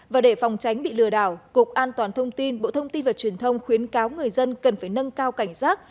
và để phòng tránh bị lừa đảo cục an toàn thông tin bộ thông tin và truyền thông khuyến cáo người dân cần phải nâng cao cảnh giác